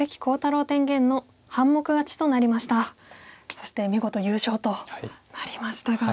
そして見事優勝となりましたが。